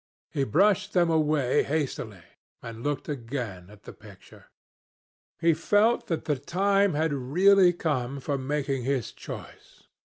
He brushed them away hastily and looked again at the picture. He felt that the time had really come for making his choice.